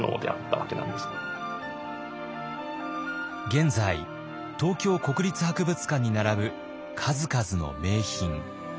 現在東京国立博物館に並ぶ数々の名品。